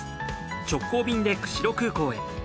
直行便で釧路空港へ。